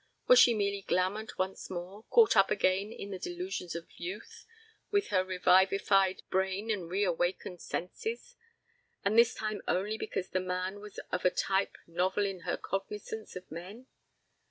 Was she merely glamored once more, caught up again in the delusions of youth, with her revivified brain and reawakened senses, and this time only because the man was of a type novel in her cognizance of men?